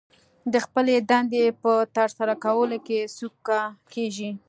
د خپلې دندې په ترسره کولو کې سوکه کېږي